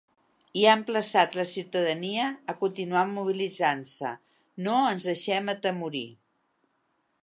I ha emplaçat la ciutadania a continuar mobilitzant-se: No ens deixem atemorir.